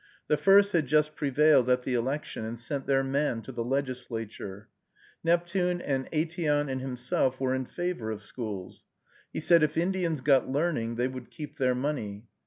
The first had just prevailed at the election and sent their man to the legislature. Neptune and Aitteon and he himself were in favor of schools. He said, "If Indians got learning, they would keep their money."